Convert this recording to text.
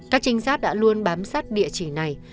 các trinh sát đã luôn bám sát địa chỉ này